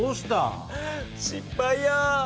失敗や。